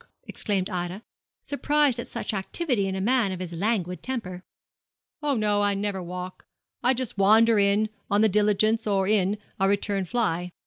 exclaimed Ida, surprised at such activity in a man of his languid temper. 'Oh, no; I never walk. I just wander in on the diligence or in, a return fly.